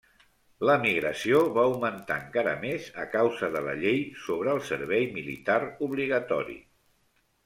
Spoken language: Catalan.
L'emigració va augmentar encara més a causa de la llei sobre el servei militar obligatori.